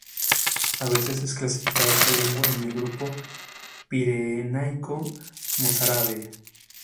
A veces es clasificada esta lengua en el grupo Pirenaico-Mozárabe.